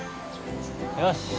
よし。